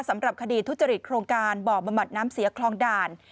สำหรับคดีทุจริตโครงการบ่อบำบัดน้ำเสียคลองด่าน